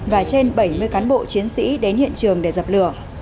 và trên bảy mươi cán bộ chiến sĩ đến hiện trường để dập lửa